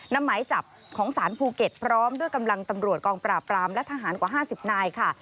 หมายจับของสารภูเก็ตพร้อมด้วยกำลังตำรวจกองปราบปรามและทหารกว่า๕๐นายค่ะ